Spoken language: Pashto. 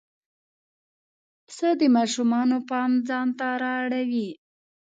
پسه د ماشومانو پام ځان ته را اړوي.